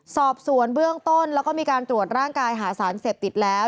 สอบสวนเบื้องต้นแล้วก็มีการตรวจร่างกายหาสารเสพติดแล้ว